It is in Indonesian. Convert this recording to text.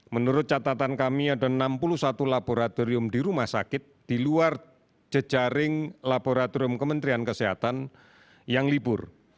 menurut catatan kami ada enam puluh satu laboratorium di rumah sakit di luar jejaring laboratorium kementerian kesehatan yang libur